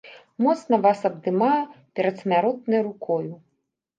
Моцна вас абдымаю перадсмяротнаю рукою.